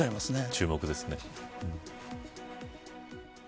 注目ですね。